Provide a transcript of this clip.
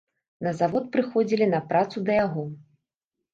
На завод прыходзілі на працу да яго.